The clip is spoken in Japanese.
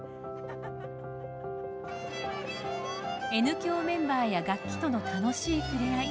Ｎ響メンバーや楽器との楽しい触れ合い。